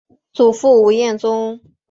祖父吴彦忠。